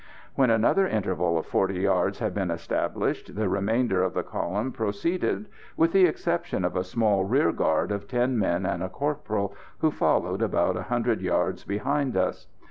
When another interval of 40 yards had been established, the remainder of the column proceeded, with the exception of a small rear guard of ten men and a corporal, who followed about 100 yards behind us.